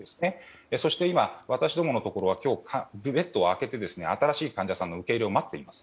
そして、今、私どものところはベッドを空けて新しい患者さんの受け入れを待っています。